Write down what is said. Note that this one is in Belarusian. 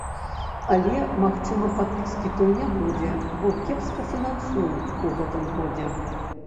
Але, магчыма, падпіскі той не будзе, бо кепска фінансуюць у гэтым годзе.